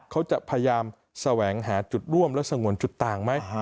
เขาจะพยายามแสวงหาจุดร่วมและสงวนจุดต่างไหม